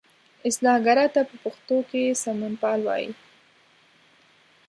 اصلاح ګرا ته په پښتو کې سمونپال وایي.